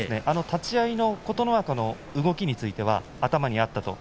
立ち合いの琴ノ若の動きについては頭にあった。